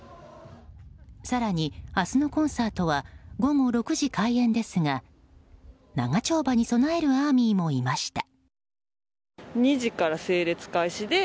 更に明日のコンサートは午後６時開演ですが長丁場に備えるＡＲＭＹもいました。